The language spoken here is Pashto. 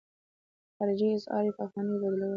خارجي اسعار یې په افغانیو بدلول.